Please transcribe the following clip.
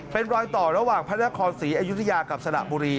เป็นรอยต่อระหว่างพระนครศรีอยุธยากับสระบุรี